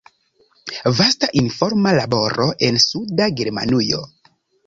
Vasta informa laboro en Suda Germanujo.